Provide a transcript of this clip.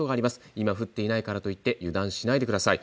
今、降っていないからといって油断はしないでください。